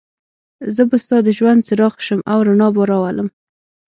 زه به ستا د ژوند څراغ شم او رڼا به راولم.